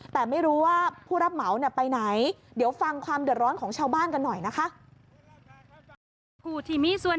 แต่ไม่รู้ว่าผู้รับเหมาไปไหน